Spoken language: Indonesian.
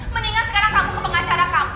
mendingan sekarang kamu ke pengacara kamu